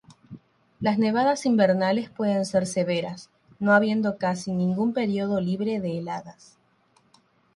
Las nevadas invernales pueden ser severas; no habiendo casi ningún período libre de heladas.